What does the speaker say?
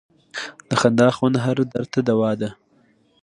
د خندا خوند هر درد ته دوا ده.